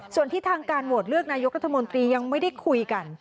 ส่วนที่ทางการโหวตเลือกนายกรัฐมนตรียังไม่ได้คุยกัน